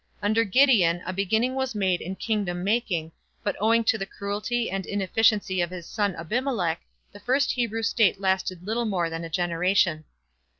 Under Gideon a beginning was made in kingdom making, but owing to the cruelty and inefficiency of his son Abimelech, the first Hebrew state lasted little more than a generation.